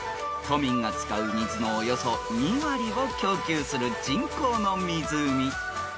［都民が使う水のおよそ２割を供給する人工の湖］